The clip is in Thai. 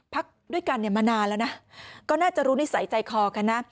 พักด้วยกันเนี่ยมานานแล้วนะก็น่าจะรู้นิสัยใจคอกันนะ